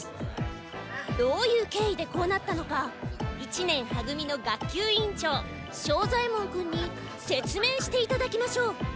どういうけいいでこうなったのか一年は組の学級委員長庄左ヱ門君に説明していただきましょう